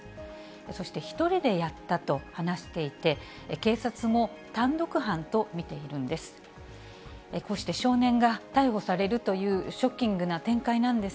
そして、１人でやったと話していて、警察も単独犯と見ているんです。